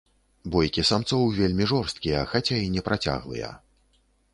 Бойкі самцоў вельмі жорсткія, хаця і не працяглыя.